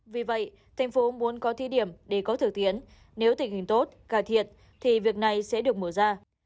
vì vậy tp hcm muốn có thí điểm để có thực tiến nếu tình hình tốt cải thiện thì việc này sẽ được mở ra